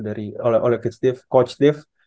dari oleh coach dev